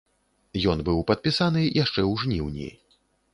Ён быў падпісаны яшчэ ў жніўні.